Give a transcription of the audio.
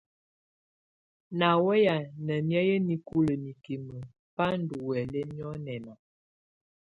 Nà wɛ̀yɛ̀á nà nɛ̀áyɛ̀á nikulǝ́ nikimǝ́ bá ndù huɛ̀lɛ nyɔ̀nɛ̀na.